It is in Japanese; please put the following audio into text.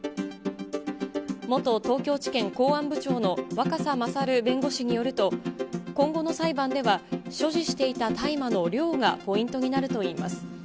元東京地検公安部長の若狭勝弁護士によると、今後の裁判では、所持していた大麻の量がポイントになるといいます。